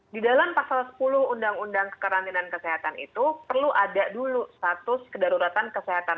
di dalam pasal sepuluh undang undang kekarantinaan kesehatan itu perlu ada dulu status kedaruratan kesehatan